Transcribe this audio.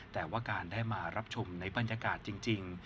แต่ว่าการได้มารับชมในบรรยากาศจริง